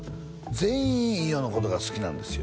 全員飯尾のことが好きなんですよ